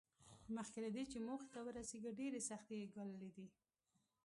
مخکې له دې چې موخې ته ورسېږي ډېرې سختۍ یې ګاللې دي